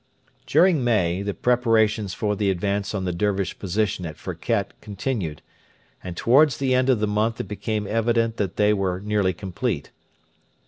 During May the preparations for the advance on the Dervish position at Firket continued, and towards the end of the month it became evident that they were nearly complete.